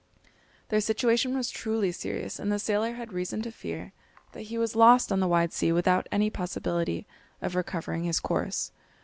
Their situation was truly serious, and the sailor had reason to fear that he was lost on the wide sea without any possibility of recovering his course.